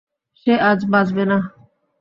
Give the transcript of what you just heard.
সে আজ বাঁচবে না।